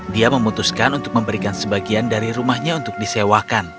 dia memutuskan untuk memberikan sebagian dari rumahnya untuk disewakan